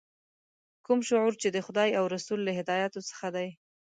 کوم شعور چې د خدای او رسول له هدایاتو څخه دی.